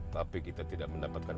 tapi kita tidak mendapatkan